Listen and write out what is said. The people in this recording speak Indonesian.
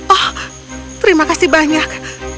oh terima kasih banyak